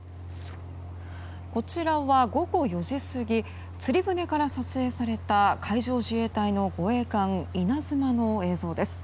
こちらは、午後４時過ぎ釣り船から撮影された海上自衛隊の護衛艦「いなづま」の映像です。